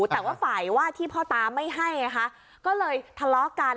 แต่ว่าฝ่ายว่าที่พ่อตาไม่ให้ไงคะก็เลยทะเลาะกัน